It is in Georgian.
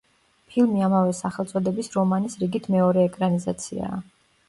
ფილმი ამავე სახელწოდების რომანის რიგით მეორე ეკრანიზაციაა.